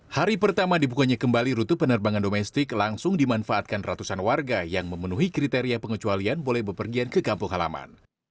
hari pertama dibukanya kembali rute penerbangan domestik langsung dimanfaatkan ratusan warga yang memenuhi kriteria pengecualian boleh bepergian ke kampung halaman